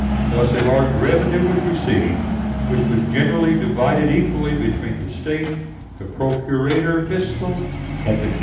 Thus a large revenue was received, which was generally divided equally between the State, the procurator fiscal, and the King.